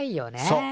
そう。